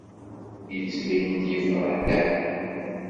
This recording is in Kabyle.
Yettbin-d yefṛeḥ Dda Ḥemmu.